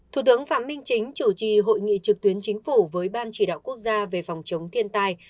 thủ tướng phạm minh chính chủ trì hội nghị trực tuyến chính phủ với ban chỉ đạo quốc gia về phòng chống thiên tai